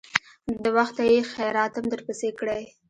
د وخته يې خيراتم درپسې کړى.